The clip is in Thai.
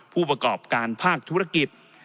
ผู้ประกอบการภาคธุรกิจ